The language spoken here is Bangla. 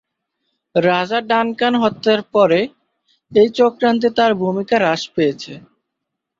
রাজা ডানকান হত্যার পরে, এই চক্রান্তে তার ভূমিকা হ্রাস পেয়ে গেছে।